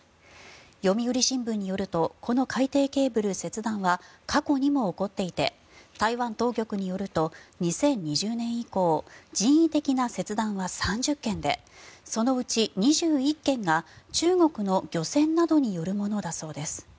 読売新聞によるとこの海底ケーブル切断は過去にも起こっていて台湾当局によると２０２０年以降人為的な切断は３０件でそのうち２１件が中国の漁船などによるものだそうです。